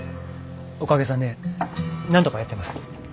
おかげさんでなんとかやってます。